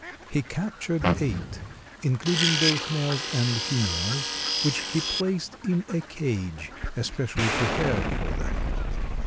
He captured eight, including both males and females, which he placed in a cage especially prepared for them.